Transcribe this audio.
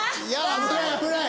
危ない危ない！